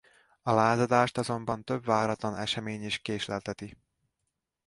A lázadást azonban több váratlan esemény is késlelteti.